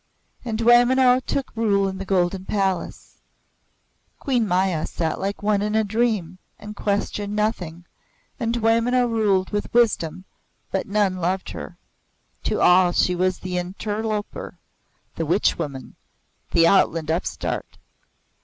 And Dwaymenau took rule in the Golden Palace. Queen Maya sat like one in a dream and questioned nothing, and Dwaymenau ruled with wisdom but none loved her. To all she was the interloper, the witch woman, the out land upstart.